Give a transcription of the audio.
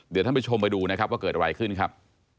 เดี๋ยวท่านผู้ชมไปดูนะครับว่าเกิดอะไรขึ้นครับ